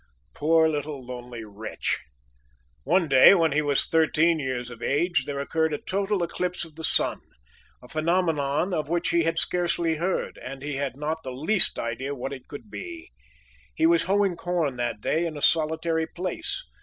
Poor little lonely wretch! One day, when he was thirteen years of age, there occurred a total eclipse of the sun, a phenomenon of which he had scarcely heard, and he had not the least idea what it could be. He was hoeing corn that day in a solitary place.